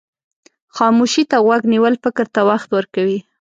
خاموشي ته غوږ نیول فکر ته وخت ورکوي.